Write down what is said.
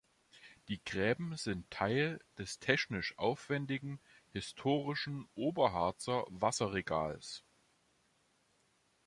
Die Gräben sind Teil des technisch aufwändigen historischen Oberharzer Wasserregals.